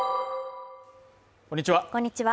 こんにちは